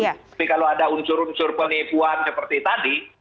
tapi kalau ada unsur unsur penipuan seperti tadi